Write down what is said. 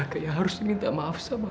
kau apaku merasakan salah